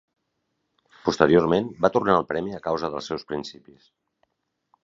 Posteriorment va tornar el premi a causa dels seus principis.